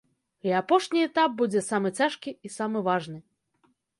І апошні этап будзе самы цяжкі і самы важны.